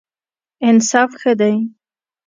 انصاف ښه دی.